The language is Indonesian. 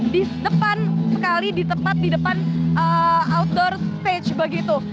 di depan sekali di depan outdoor stage begitu